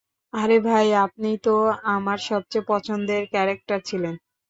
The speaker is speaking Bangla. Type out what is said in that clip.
আরে, ভাই, আপনিই তো আমার সবচেয়ে পছন্দের ক্যারেক্টার ছিলেন।